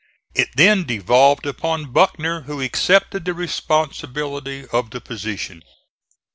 It then devolved upon Buckner, who accepted the responsibility of the position.